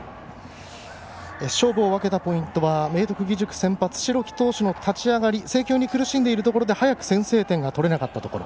勝負を分けたポイントは明徳義塾先発の代木投手の立ち上がり制球に苦しんでいるところで早く先制点が取れなかったところ。